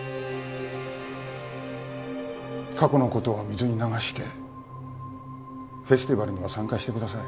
過去の事は水に流してフェスティバルには参加してください。